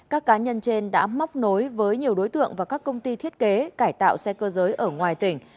các cá nhân trên đã móc nối với nhiều đối tượng và các công ty thiết kế cải tạo xe cơ giới ở ngoài tỉnh